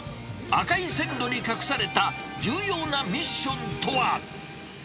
赤い線路に隠された重要なミッションとは？